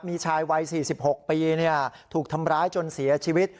มีชายวัย๔๖ปีถูกทำร้ายจนเสียชีวิต